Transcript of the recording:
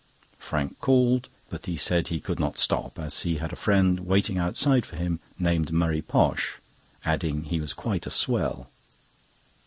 Frank called, but said he could not stop, as he had a friend waiting outside for him, named Murray Posh, adding he was quite a swell.